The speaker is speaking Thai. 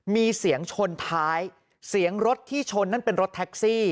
มีเสียงชนท้ายเสียงรถที่ชนนั่นเป็นรถแท็กซี่